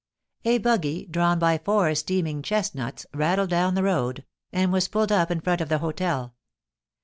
A buggy, drawn by four steaming chestnuts, rattled down the road, and was pulled up in front of the hotel.